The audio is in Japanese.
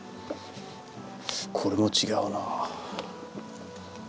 これも違うなあ。